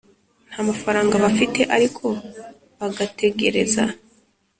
nta mafaranga bafite ariko bagategereza